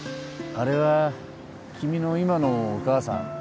あれは君の今のお母さん？